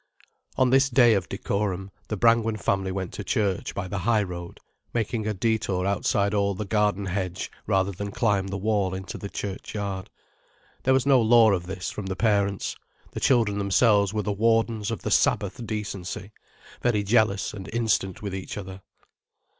On this day of decorum, the Brangwen family went to church by the high road, making a detour outside all the garden hedge, rather than climb the wall into the churchyard. There was no law of this, from the parents. The children themselves were the wardens of the Sabbath decency, very jealous and instant with each other.